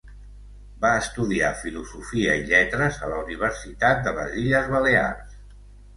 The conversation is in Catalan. Va estudiar Filosofia i Lletres a la Universitat de les Illes Balears.